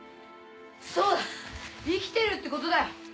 そうだ生きてるってことだよ！